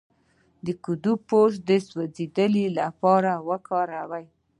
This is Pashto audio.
د کدو پوستکی د سوځیدو لپاره وکاروئ